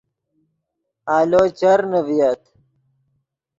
آلو چرنے ڤییت